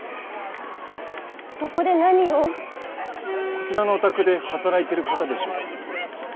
こちらのお宅で働いてる方でしょうか。